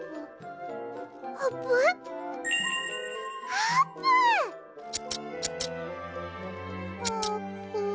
あーぷん？